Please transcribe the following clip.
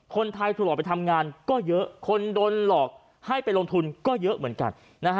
คนไทยถูกหลอกไปทำงานก็เยอะคนโดนหลอกให้ไปลงทุนก็เยอะเหมือนกัน